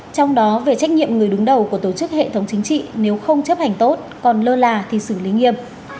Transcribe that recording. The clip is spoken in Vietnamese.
trong đó về trách nhiệm người đứng đầu của tổ chức hệ thống chính trị nếu không chấp hành tốt còn lơ là thì xử lý nghiêm